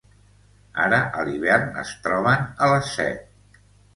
Ara a l’hivern es troben a les set.